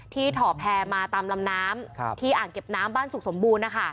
ถ่อแพร่มาตามลำน้ำที่อ่างเก็บน้ำบ้านสุขสมบูรณ์นะคะ